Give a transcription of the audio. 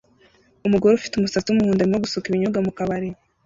Umugore ufite umusatsi wumuhondo arimo gusuka ibinyobwa mukabari